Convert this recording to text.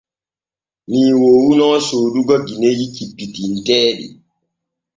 Mii woowuno soodugo gineeji cippitinteeɗi.